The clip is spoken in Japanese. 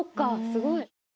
すごい。